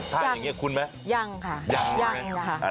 ถ้าอย่างนี้คุ้นไหมยังค่ะยังยังค่ะ